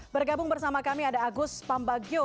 bergabung bersama kami ada agus pambagio